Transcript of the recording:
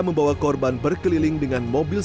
membawa korban berkeliling dengan mobil